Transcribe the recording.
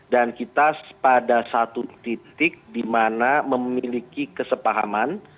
kita pada satu titik di mana memiliki kesepahaman